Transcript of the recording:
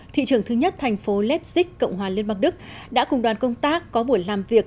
thị trưởng thứ nhất thành phố leipzig cộng hòa liên bắc đức đã cùng đoàn công tác có buổi làm việc